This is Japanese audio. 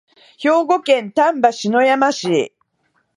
兵庫県丹波篠山市